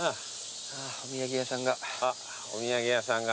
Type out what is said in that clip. お土産屋さんが。